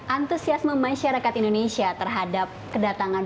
antusiasme masyarakat indonesia terhadap kedatangan